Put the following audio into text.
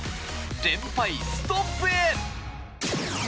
連敗ストップへ。